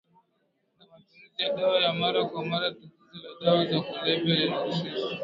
na matumizi ya dawa ya mara kwa mara Tatizo la dawa za kulevya linahusisha